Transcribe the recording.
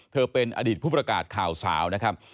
เป็นอดีตผู้ประกาศข่าวสาวนะครับ